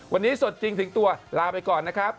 วันนี้สดจริงถึงตัวลาไปก่อนนะครับ